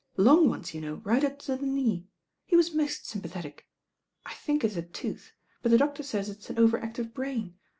Long ones, you know, right up to the knee. He was most sympathetic. I think it's a tooth; but the doctor says it's an over active brain.